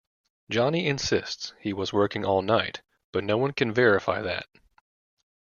Johnny insists he was working all night, but no one can verify that.